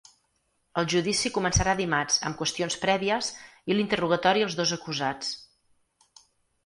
El judici començarà dimarts amb qüestions prèvies i l’interrogatori als dos acusats.